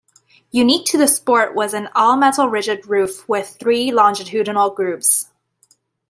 Unique to the Sport was an all-metal rigid roof with three longitudinal grooves.